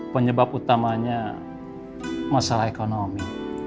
penyebab utamanya masalah ekonomi